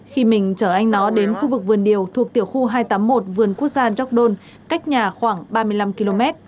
khi mình chở anh nó đến khu vực vườn điều thuộc tiểu khu hai trăm tám mươi một vườn quốc gia gióc đôn cách nhà khoảng ba mươi năm km